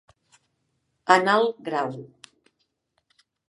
En alt grau.